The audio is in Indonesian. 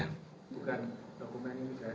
bukan dokumen ijazah